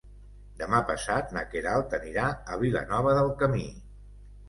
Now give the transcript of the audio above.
Demà passat na Queralt anirà a Vilanova del Camí.